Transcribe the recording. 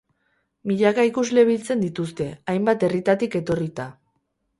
Milaka ikusle biltzen dituzte, hainbat herritatik etorrita.